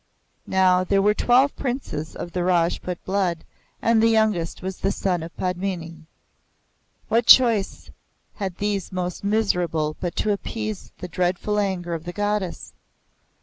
Now there were twelve princes of the Rajput blood, and the youngest was the son of Padmini. What choice had these most miserable but to appease the dreadful anger of the Goddess?